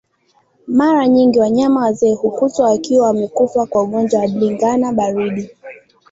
Mara nyingi wanyama wazee hukutwa wakiwa wamekufa kwa ugonjwa wa ndigana baridi